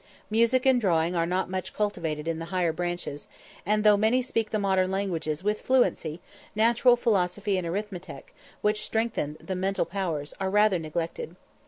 Music and drawing are not much cultivated in the higher branches; and though many speak the modern languages with fluency, natural philosophy and arithmetic, which strengthen the mental powers, are rather neglected.